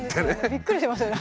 びっくりしますよね